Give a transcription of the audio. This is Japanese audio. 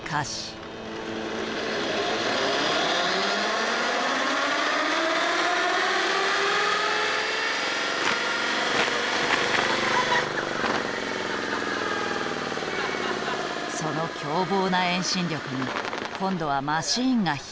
その凶暴な遠心力に今度はマシンが悲鳴を上げた。